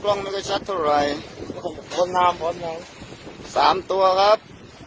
ลองไม่เข้าชัดเท่าไหร่ตัวน้ำสามตัวครับ